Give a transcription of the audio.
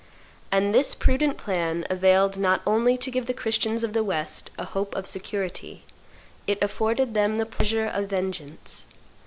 And this prudent plan availed not only to give the Christians of the West a hope of security, it afforded them the pleasure of vengeance.